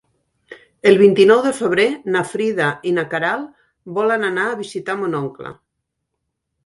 El vint-i-nou de febrer na Frida i na Queralt volen anar a visitar mon oncle.